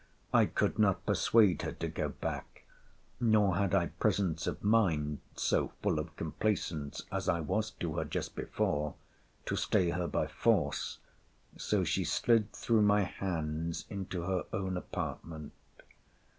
I could not persuade her to go back: nor had I presence of mind (so full of complaisance as I was to her just before) to stay her by force: so she slid through my hands into her own apartment.